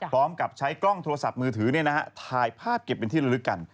พร้อมกับใช้กล้องโทรศัพท์มือถือถ่ายภาพเก็บเป็นที่ละลึกกัน